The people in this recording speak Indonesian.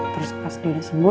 terus pas dia udah sembuh